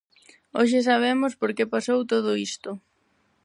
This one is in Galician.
Hoxe sabemos por que pasou todo isto.